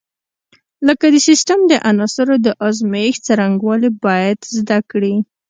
لکه د سیسټم د عناصرو د ازمېښت څرنګوالي باید زده کړي.